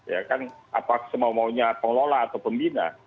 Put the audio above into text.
ya kan apa semau maunya pengelola atau pembina